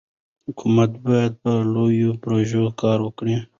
حکومت باید په لویو پروژو کار وکړي.